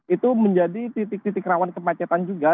itu menjadi titik titik rawan kemacetan juga